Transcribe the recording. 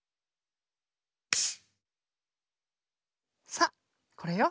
さあこれよ。